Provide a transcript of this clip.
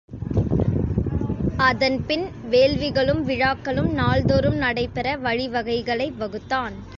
அதன்பின் வேள்விகளும், விழாக்களும் நாள்தொறும் நடைபெற வழிவகைகளை வகுத்தான்.